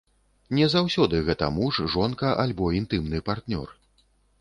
Не заўсёды гэта муж, жонка, альбо інтымны партнёр.